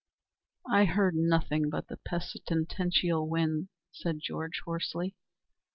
"I heard nothing but the pestilential wind," said Georg hoarsely.